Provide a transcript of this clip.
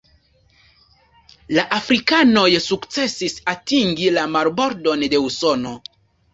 La afrikanoj sukcesis atingi la marbordon de Usono.